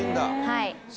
はい。